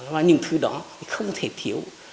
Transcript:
và những thứ đó không thể thiếu